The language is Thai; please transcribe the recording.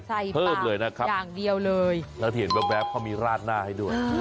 ใส่ปากอย่างเดียวเลยแล้วเห็นแบบเขามีราดหน้าให้ด้วย